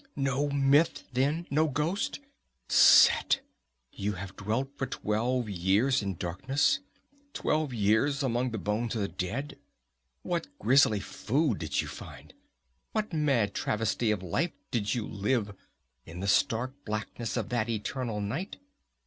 "No myth, then, no ghost! Set! You have dwelt for twelve years in darkness! Twelve years among the bones of the dead! What grisly food did you find? What mad travesty of life did you live, in the stark blackness of that eternal night?